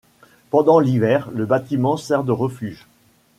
Pendant l'hiver, le bâtiment sert de refuge.